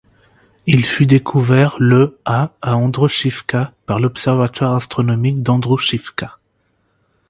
Il fut découvert le à Androuchivka par l'observatoire astronomique d'Androuchivka.